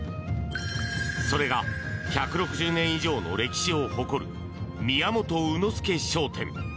それが１６０年以上の歴史を誇る宮本卯之助商店。